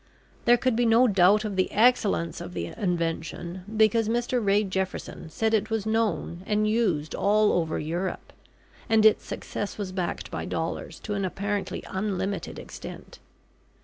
There could be no doubt of the excellence of the Invention, because Mr Ray Jefferson said it was known, and used all over Europe, and its success was backed by dollars to an apparently unlimited extent.